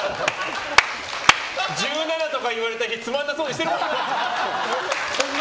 １７とか言われた日はつまんなそうにしてたな。